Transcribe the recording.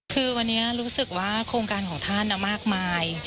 คือวันนี้รู้สึกว่าโครงการของท่านมากมาย